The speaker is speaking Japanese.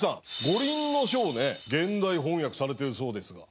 「五輪書」をね現代翻訳されてるそうですが。